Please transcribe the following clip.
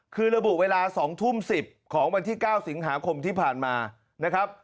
คือระบุเวลา๒ทุ่ม๑๐ของวันที่๙สิงหาคมที่ผ่านมานะครับ